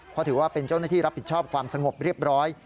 เพราะถือว่าเป็นเจ้าหน้าที่รับผิดชอบความสงบเรียบร้อย